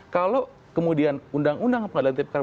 kalau kemudian undang undang pengadilan tipi korps